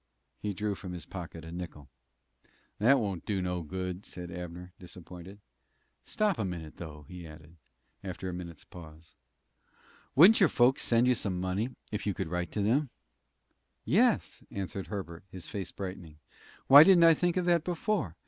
He drew from his pocket a nickel. "That won't do no good," said Abner, disappointed. "Stop a minute, though," he added, after a minute's pause. "Wouldn't your folks send you some money, if you should write to them?" "Yes," answered Herbert, his face brightening. "Why didn't I think of that before?